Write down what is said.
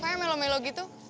makanya melo melo gitu